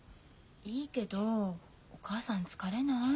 いいけどお母さん疲れない？